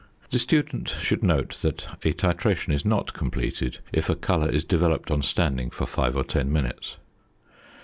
The student should note that a titration is not completed if a colour is developed on standing for five or ten minutes.